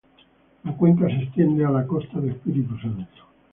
La cuenca se extiende a la costa de Espírito Santo.